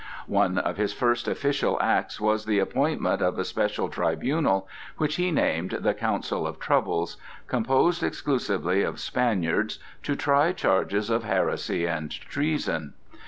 One of his first official acts was the appointment of a special tribunal, which he named the Council of Troubles, composed exclusively of Spaniards, to try charges of heresy and treason.